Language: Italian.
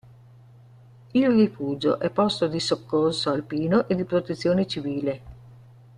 Il rifugio è posto di soccorso alpino e di protezione civile.